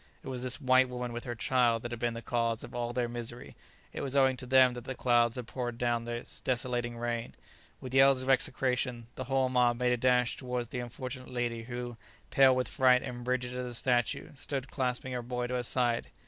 It was this white woman with her child that had been the cause of all their misery, it was owing to them that the clouds had poured down this desolating rain. With yells of execration the whole mob made a dash towards the unfortunate lady who, pale with fright and rigid as a statue, stood clasping her boy to her side.